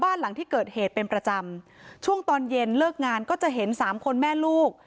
หลังที่เกิดเหตุเป็นประจำช่วงตอนเย็นเลิกงานก็จะเห็นสามคนแม่ลูก